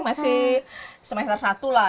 masih semester satu lah